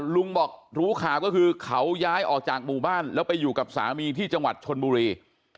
ลุงบอกรู้ข่าวก็คือเขาย้ายออกจากหมู่บ้านแล้วไปอยู่กับสามีที่จังหวัดชนบุรี